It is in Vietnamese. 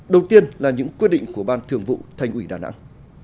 đầu tiên là những quyết định của ban thường vụ thành ủy đà nẵng